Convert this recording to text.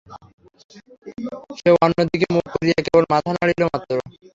সে অন্য দিকে মুখ করিয়া কেবল মাথা নাড়িল মাত্র।